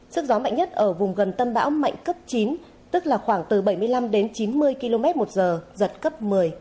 sức gió mạnh nhất ở vùng gần tâm bão mạnh cấp chín tức là khoảng từ bảy mươi năm đến chín mươi km một giờ giật cấp một mươi